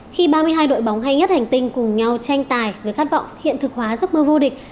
khi ba mươi hai đội bóng hay nhất hành tinh cùng nhau tranh tài với khát vọng hiện thực hóa giấc mơ vô địch